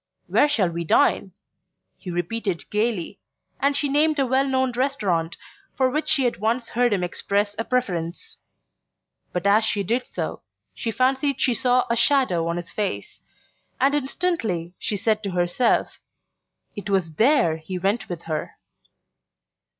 "Where shall we dine?" he repeated gaily, and she named a well known restaurant for which she had once heard him express a preference. But as she did so she fancied she saw a shadow on his face, and instantly she said to herself: "It was THERE he went with her!"